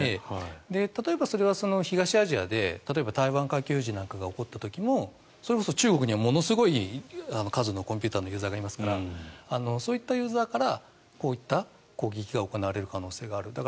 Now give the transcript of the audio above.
例えば、東アジアで台湾海峡有事なんかが起こった時も、それこそ中国にはものすごいコンピューターのユーザーがいますからそういったユーザーからこういった攻撃が行われる可能性がある。